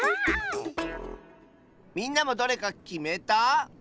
みんなもどれかきめた？